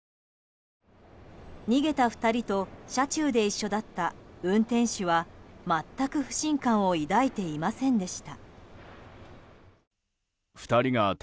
逃げた２人と車中で一緒だった運転手は全く不信感を抱いていませんでした。